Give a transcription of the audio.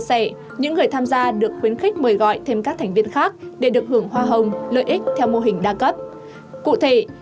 sự do giúp khách pot